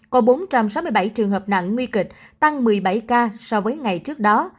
có bốn trăm sáu mươi bảy trường hợp nặng nguy kịch tăng một mươi bảy ca so với ngày trước đó